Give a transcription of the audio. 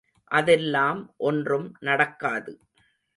அதெல்லாம் ஒன்றும் நடக்காது.